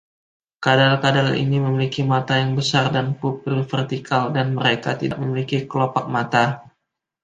Kadal-kadal ini memiliki mata yang besar dengan pupil vertikal, dan mereka tidak memiliki kelopak mata.